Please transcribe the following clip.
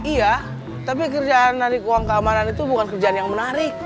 iya tapi kerjaan dari uang keamanan itu bukan kerjaan yang menarik